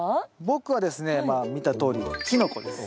僕はですねまあ見たとおりキノコです。